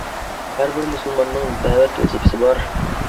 ھەر بىر مۇسۇلماننىڭ دەۋەت ۋەزىپىسى بار.